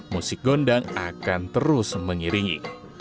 musik gondang akan terus mengiringi